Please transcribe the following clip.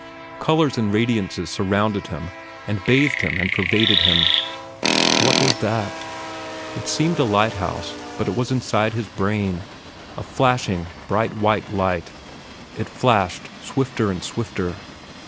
Colors and radiances surrounded him and bathed him and pervaded him. What was that? It seemed a lighthouse; but it was inside his brain—a flashing, bright white light. It flashed swifter and swifter.